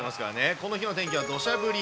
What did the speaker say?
この日の天気はどしゃ降り。